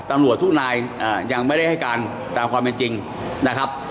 ตำรวจทุกนายยังไม่ได้ให้การตามความเป็นจริงนะครับ